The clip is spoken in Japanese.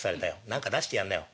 何か出してやんなよ。